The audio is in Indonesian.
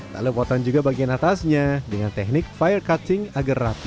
lalu potong juga bagian atasnya dengan teknik fire cutting agar rapi